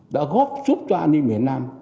đã góp giúp cho an ninh miền nam